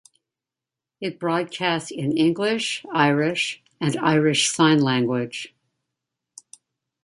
It broadcasts in English, Irish and Irish Sign Language.